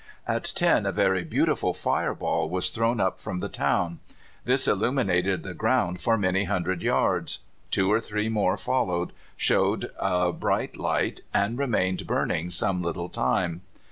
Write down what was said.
At ten a very beautiful fire ball was thrown up from the town. This illuminated the ground for many hundred yards. Two or three more followed, showed a bright light, and remained burning some little time.